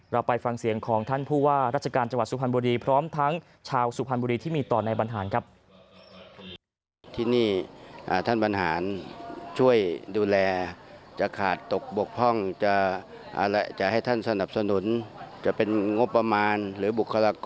เราไปฟังเสียงของท่านผู้ว่าราชการจังหวัดสุพรรณบุรีพร้อมทั้งชาวสุพรรณบุรีที่มีต่อในบรรหารครับ